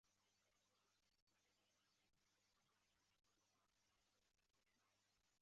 日航酒店的目标是最高水准的酒店服务。